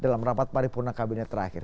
dalam rapat paripurna kabinet terakhir